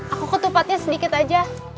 aku ketupatnya sedikit aja